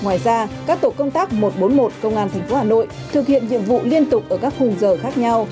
ngoài ra các tổ công tác một trăm bốn mươi một công an tp hà nội thực hiện nhiệm vụ liên tục ở các khung giờ khác nhau